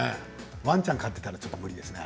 ワンちゃんを飼っていたらちょっと無理ですね。